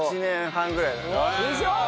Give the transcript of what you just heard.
でしょ？